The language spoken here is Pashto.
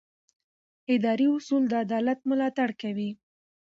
اداري اصول د عدالت ملاتړ کوي.